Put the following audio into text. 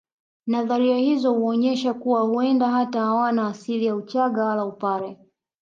Nadharia hizo huonyesha kuwa huenda hata hawana asili ya uchaga wala upare